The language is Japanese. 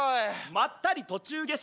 まったり途中下車。